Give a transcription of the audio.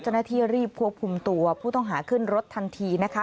เจ้าหน้าที่รีบควบคุมตัวผู้ต้องหาขึ้นรถทันทีนะคะ